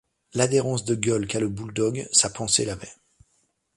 L’adhérence de gueule qu’a le boule-dogue, sa pensée l’avait.